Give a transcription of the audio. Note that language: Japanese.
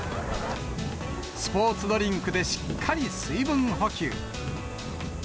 スポーツドリンクでしっかり水分補給。